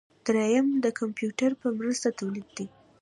دریم د کمپیوټر په مرسته تولید دی.